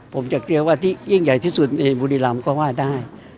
ผมจะเรียกว่าที่ยิ่งใหญ่ที่สุดในบุรีรำก็ว่าได้